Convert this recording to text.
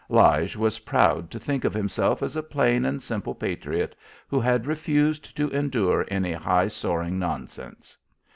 Lige was proud to think of himself as a plain and simple patriot who had refused to endure any high soaring nonsense.